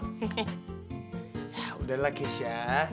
ya udahlah keisha